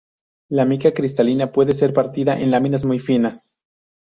La mica cristalina puede ser partida en láminas muy finas.